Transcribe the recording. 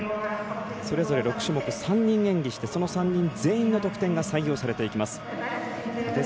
それぞれ６種目３人演技をしてその３人全員の得点が採用されていきます。